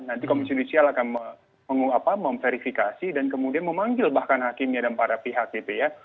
nanti komisi judisial akan memverifikasi dan kemudian memanggil bahkan hakimnya dan para pihak gitu ya